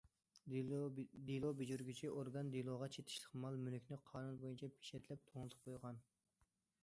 دېلو بېجىرگۈچى ئورگان دېلوغا چېتىشلىق مال- مۈلۈكنى قانۇن بويىچە پېچەتلەپ، توڭلىتىپ قويغان.